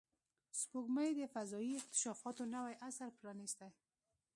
سپوږمۍ د فضایي اکتشافاتو نوی عصر پرانستی